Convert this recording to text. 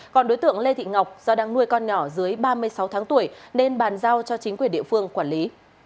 còn đối tượng lê thị ngọc do đang nuôi con nhỏ dưới ba mươi sáu tháng tuổi nên bàn giao cho chính quyền địa phương quản lý